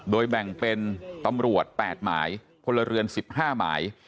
โดยแบ่งเป็นตำรวจ๘หมายพลเรือน๑๕หมาย